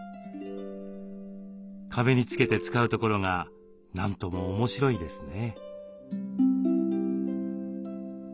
壁に付けて使うところがなんとも面白いですね。